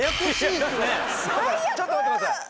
ちょっと待って下さい。